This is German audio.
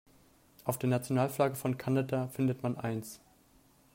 Auf der Nationalflagge von Kanada findet man eins.